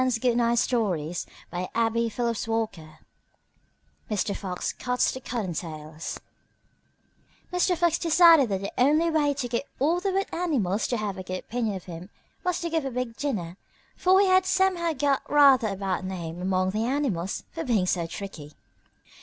FOX CUTS THE COTTONTAILS [Illustration: Mr. Fox cuts the Cottontails] Mr. Fox decided that the only way to get all the wood animals to have a good opinion of him was to give a big dinner, for he had somehow got rather a bad name among the animals for being so tricky.